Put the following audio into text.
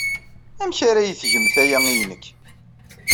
Amek ara iyi-tgemt aya i nekk?